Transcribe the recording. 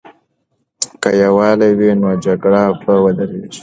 که یووالی وي، نو جګړه به ودریږي.